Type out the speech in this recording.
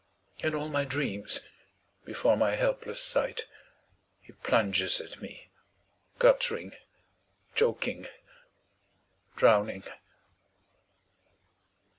In all my dreams, before my helpless sight, He plunges at me, guttering, choking, drowning.